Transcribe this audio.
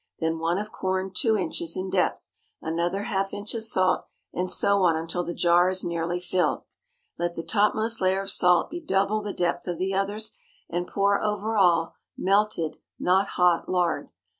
Then one of corn two inches in depth, another half inch of salt, and so on until the jar is nearly filled. Let the topmost layer of salt be double the depth of the others, and pour over all melted—not hot—lard.